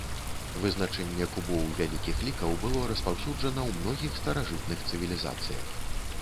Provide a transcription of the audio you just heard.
Вызначэнне кубоў вялікіх лікаў было распаўсюджана ў многіх старажытных цывілізацыях.